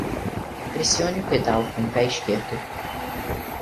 Pressione o pedal com o pé esquerdo.